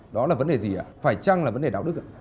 đó là vấn đề gì ạ phải chăng là vấn đề đạo đức ạ